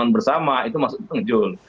bersama itu maksudnya itu ngejul